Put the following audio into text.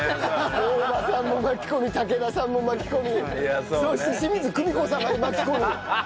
大場さんも巻き込み武田さんも巻き込みそして清水久美子さんまで巻き込み。